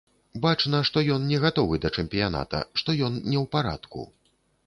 Бачна, што ён не гатовы да чэмпіяната, што ён не ў парадку.